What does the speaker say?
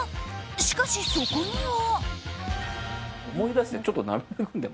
しかし、そこには。